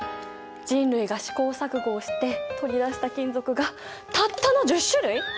人類が試行錯誤をして取り出した金属がたったの１０種類！？